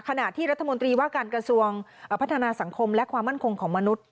ขณะที่รัฐมนตรีว่าการกระทรวงพัฒนาสังคมและความมั่นคงของมนุษย